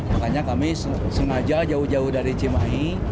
makanya kami sengaja jauh jauh dari cimahi